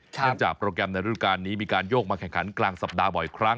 เนื่องจากโปรแกรมในฤดูการนี้มีการโยกมาแข่งขันกลางสัปดาห์บ่อยครั้ง